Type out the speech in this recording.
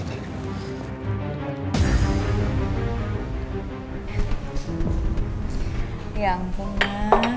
ya ampun ya